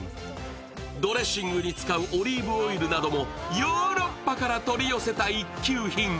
ドレッシングに使うオリーブオイルなどもヨーから取り寄せた一級品。